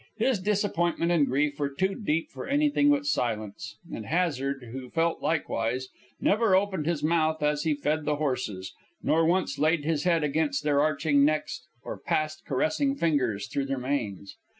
His disappointment and grief were too deep for anything but silence, and Hazard, who felt likewise, never opened his mouth as he fed the horses, nor once laid his head against their arching necks or passed caressing fingers through their manes.